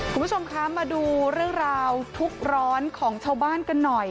คุณผู้ชมคะมาดูเรื่องราวทุกร้อนของชาวบ้านกันหน่อย